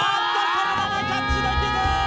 このままキャッチできず！